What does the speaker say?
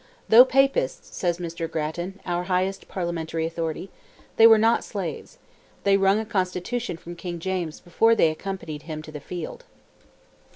"Though Papists," says Mr. Grattan, our highest parliamentary authority, "they were not slaves; they wrung a constitution from King James before they accompanied him to the field."